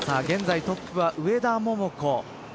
現在トップは上田桃子。